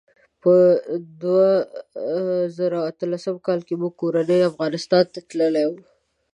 په دوه زره اتلسم کال کې موږ کورنۍ افغانستان ته تللي وو.